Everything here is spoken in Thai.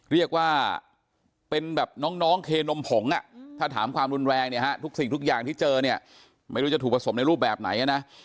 เรียกว่าเป็นแบบน้องเคนมผงถ้าถามความรุนแรงเนี่ยฮะทุกสิ่งทุกอย่างที่เจอเนี่ยไม่รู้จะถูกผสมในรูปแบบไหนนะ